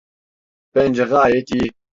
Bence gayet iyi.